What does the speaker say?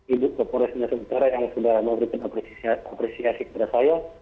ibu bapak polri selalu sementara yang sudah memberikan apresiasi kepada saya